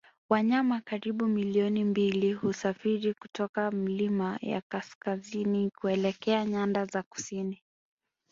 Wanyama karibu milioni mbili husafiri kutoka milima ya kaskazini kuelekea nyanda za kusini